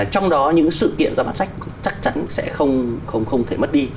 trong đó những sự kiện ra bản sách chắc chắn sẽ không thể mất đi